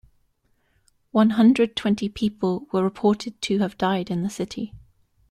One hundred twenty people were reported to have died in the city.